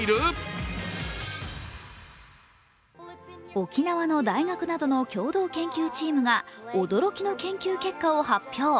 沖縄の大学などの共同研究チームが驚きの研究結果を発表。